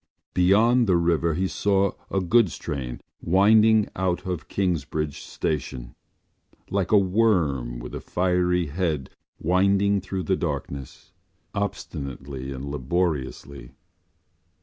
Beyond the river he saw a goods train winding out of Kingsbridge Station, like a worm with a fiery head winding through the darkness, obstinately and laboriously.